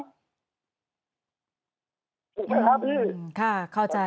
ถูกไหมครับพี่